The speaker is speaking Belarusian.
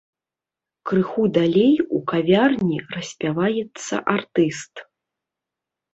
Крыху далей у кавярні распяваецца артыст.